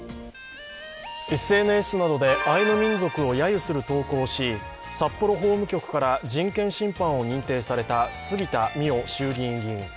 ＳＮＳなどでアイヌ民族をやゆする投稿をし札幌法務局から人権侵犯を認定された杉田水脈衆議院議員。